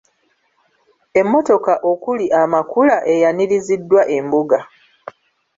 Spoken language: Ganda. Emmotoka okuli Amakula eyaniriziddwa e mbuga.